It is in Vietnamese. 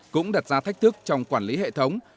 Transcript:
cũng đặt ra thách thức trong quản lý hệ thống